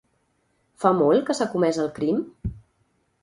Fa molt que s'ha comès el crim?